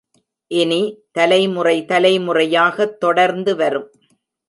இனி, தலைமுறை தலைமுறையாகத் தொடர்ந்துவரும்